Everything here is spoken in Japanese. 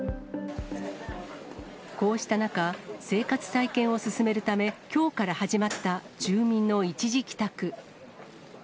こうした中、生活再建を進めるため、きょうから始まった住民の一時帰宅。